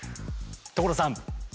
所さん！